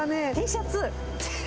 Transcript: Ｔシャツ？